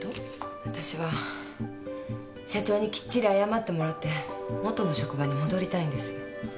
わたしは社長にきっちり謝ってもらって元の職場に戻りたいんです。